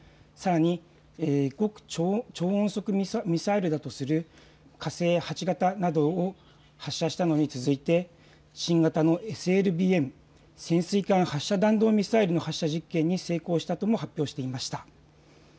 さらに極超音速ミサイルだとする火星８型などを、発射したのに続いて新型のＳＬＢＭ・潜水艦発射弾道ミサイルの発射実験に成功したとも発表していました。